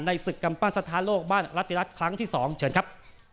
ศึกกำปั้นสถานโลกบ้านรัติรัฐครั้งที่๒เชิญครับ